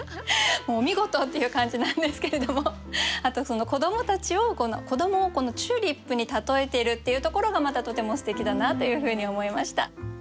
もうお見事っていう感じなんですけれどもあとその子どもたちを子どもをこのチューリップに例えているっていうところがまたとてもすてきだなというふうに思いました。